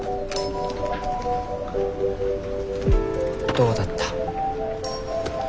どうだった？